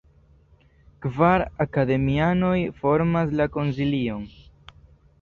Kvar akademianoj formas la konsilion.